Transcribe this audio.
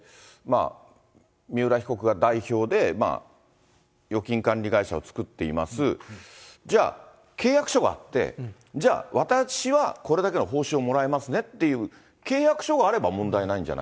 三浦被告が代表で、預金管理会社を作っています、じゃあ、契約書はって、じゃあ、私はこれだけの報酬をもらえますねっていう契約書があれば問題な